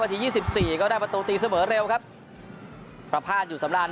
ทียี่สิบสี่ก็ได้ประตูตีเสมอเร็วครับประพาทอยู่สำราญ